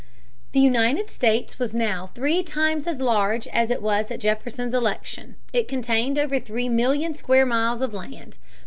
The United States was now three times as large as it was at Jefferson's election. It contained over three million square miles of land.